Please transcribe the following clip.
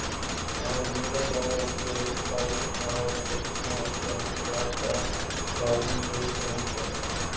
ماہرین کا خیال ہے کہ پھل اور سبزیاں انسانی خوراک کا لازمی جز ہونی چاہئیں